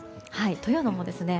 というのもですね